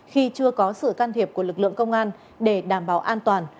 khi chưa có sự can thiệp của lực lượng công an để đảm bảo an toàn